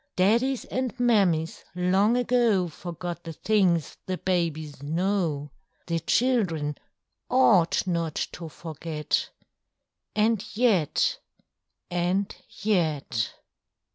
Daddies and Mammies long ago Forgot the things the babies know: The children ought not to forget, And yet—and yet!